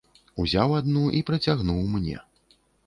Узяў адну і працягнуў мне.